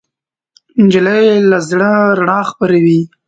نجلۍ له زړه رڼا خپروي.